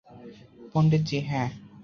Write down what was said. পন্ডিত জী, - হ্যাঁ।